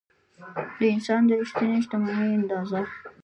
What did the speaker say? د انسان د رښتینې شتمنۍ اندازه.